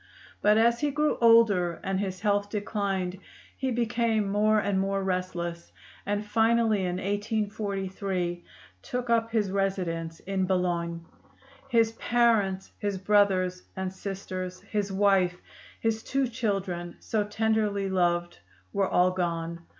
But as he grew older and his health declined he became more and more restless, and finally in 1843 took up his residence at Boulogne. His parents, his brothers and sisters, his wife, his two children, so tenderly loved, were all gone.